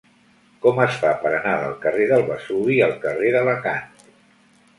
Com es fa per anar del carrer del Vesuvi al carrer d'Alacant?